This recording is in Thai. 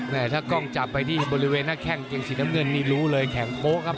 ถ้ากล้องจับไปที่บริเวณหน้าแข้งเกงสีน้ำเงินนี่รู้เลยแข็งโป๊ะครับ